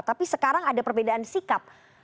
tapi sekarang ada perbedaan sikap